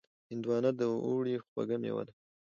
هندوانه د اوړي خوږ مېوه ده.